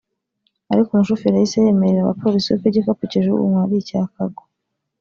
ariko umushoferi yahise yemerera abapolisi ko igikapu kijugunywe ari icya Kaggwa